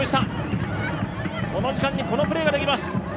この時間にこのプレーができます。